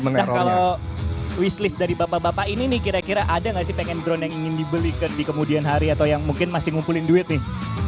nah kalau wishlist dari bapak bapak ini nih kira kira ada nggak sih pengen drone yang ingin dibeli di kemudian hari atau yang mungkin masih ngumpulin duit nih